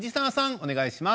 お願いします。